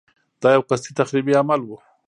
دا یو قصدي تخریبي عمل و.